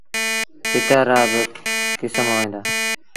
تتر رآ با ڪسم هوئيݩ دآ۔